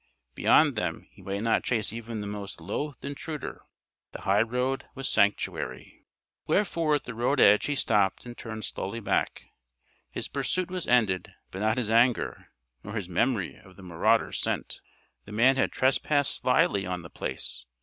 Beyond them he might not chase even the most loathed intruder. The highroad was sanctuary. Wherefore at the road edge he stopped and turned slowly back. His pursuit was ended, but not his anger, nor his memory of the marauder's scent. The man had trespassed slyly on The Place.